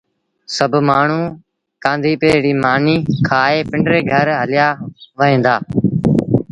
سڀ مآڻهوٚٚݩ ڪآݩڌيپي ريٚ مآݩيٚ کآئي پنڊري گھر هليآ وهيݩ دآ